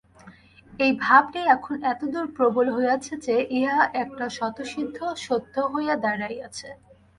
এই ভাবটি এখন এতদূর প্রবল হইয়াছে যে, ইহা একটা স্বতঃসিদ্ধ সত্য হইয়া দাঁড়াইয়াছে।